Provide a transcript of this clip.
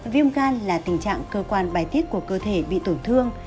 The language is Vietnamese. viêm gan là tình trạng cơ quan bài tiết của cơ thể bị tổn thương